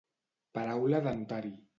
Paraula de notari.